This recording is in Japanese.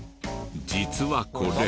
実はこれ。